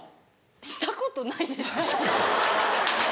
したことないです。